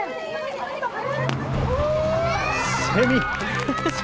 セミ！